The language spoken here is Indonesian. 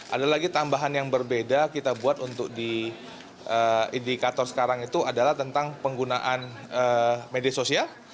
ada lagi tambahan yang berbeda kita buat untuk di indikator sekarang itu adalah tentang penggunaan media sosial